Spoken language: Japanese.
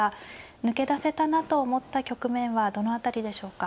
抜け出せたなと思った局面はどの辺りでしょうか。